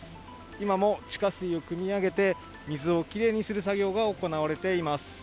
今も地下水をくみ上げて、水をきれいにする作業が行われています。